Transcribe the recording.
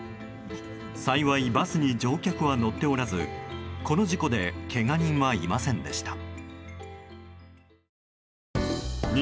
幸い、バスに乗客は乗っておらずこの事故でけが人はいませんでした。